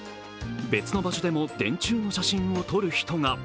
別の場所でも電柱の写真を撮る人が。